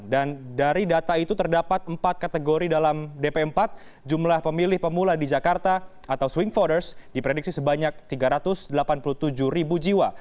dan dari data itu terdapat empat kategori dalam dp empat jumlah pemilih pemula di jakarta atau swing voters diprediksi sebanyak tiga ratus delapan puluh tujuh ribu jiwa